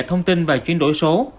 thông tin và chuyển đổi số